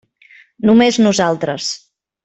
Només nosaltres.